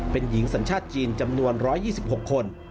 เป็นหญิงสัญชาติจีนจำนวน๑๒๖คน